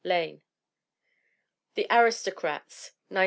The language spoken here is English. Lane. The Aristocrats, 1901.